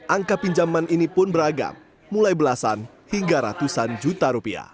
angka pinjaman ini pun beragam mulai belasan hingga ratusan juta rupiah